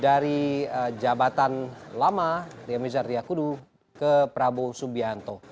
dari jabatan lama ria mizrak yakudu ke prabowo subianto